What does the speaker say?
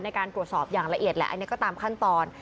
ในการตรวจสอบอย่างละเอียดแหละอันนี้ก็ตามขั้นตอน